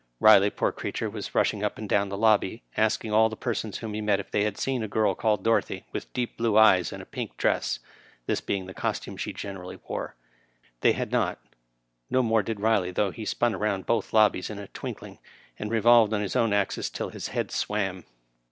Biley, poor creature, was rushing up and down the lobby, asking all persons whom he met if they had seen a girl called Dorothy, with deep blue eyes and a pink dress, this being the costume she generally wore. They had not, no more did Biley, though he spun round both lobbies in a twinkling, and revolved on his own axis till his head swam.